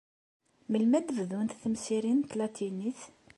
Melmi ad bdunt temsirin n tlatinit?